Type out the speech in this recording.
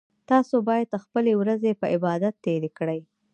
تاسو باید خپلې ورځې په عبادت تیرې کړئ